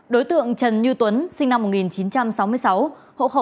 đối tượng trần như tuấn sinh năm một nghìn chín trăm sáu mươi sáu hộ khẩu